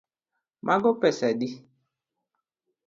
Mago pesa adi?